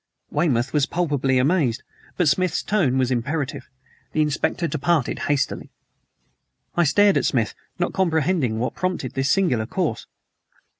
Weymouth was palpably amazed, but Smith's tone was imperative. The Inspector departed hastily. I stared at Smith, not comprehending what prompted this singular course.